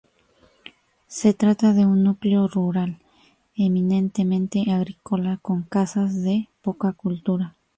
Se trata de un núcleo rural, eminentemente agrícola, con casas de poca altura.